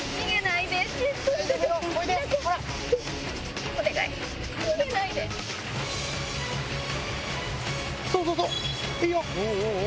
いいよ。